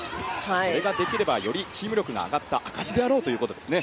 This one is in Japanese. それができればよりチーム力が上がった証だろうということですね。